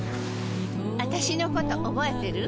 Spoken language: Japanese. あたしのこと覚えてる？